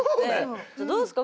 どうすか？